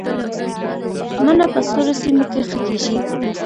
مڼه په سړو سیمو کې ښه کیږي